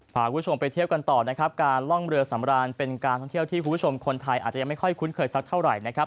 พาคุณผู้ชมไปเที่ยวกันต่อนะครับการล่องเรือสำรานเป็นการท่องเที่ยวที่คุณผู้ชมคนไทยอาจจะยังไม่ค่อยคุ้นเคยสักเท่าไหร่นะครับ